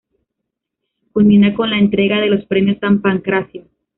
Culmina con la entrega de los "Premios San Pancracio".